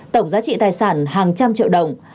tổng giá trị tài sản hàng trăm triệu đồng